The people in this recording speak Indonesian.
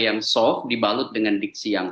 yang soft dibalut dengan diksi yang